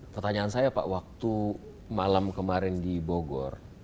pertanyaan saya pak waktu malam kemarin di bogor